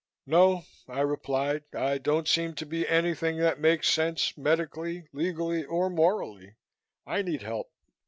"No," I replied. "I don't seem to be anything that makes sense medically, legally or morally. I need help."